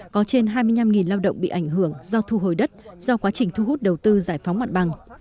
có trên hai mươi năm lao động bị ảnh hưởng do thu hồi đất do quá trình thu hút đầu tư giải phóng mặt bằng